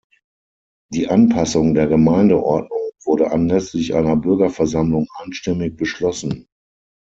Die Anpassung der Gemeindeordnung wurde anlässlich einer Bürgerversammlung einstimmig beschlossen.